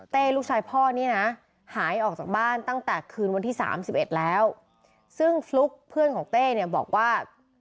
ลูกชายพ่อนี่นะหายออกจากบ้านตั้งแต่คืนวันที่๓๑แล้วซึ่งฟลุ๊กเพื่อนของเต้เนี่ยบอกว่า